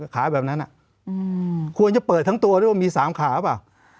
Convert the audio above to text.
ขาแบบนั้นควรจะเปิดทั้งตัวด้วยว่ามี๓ขาเปล่า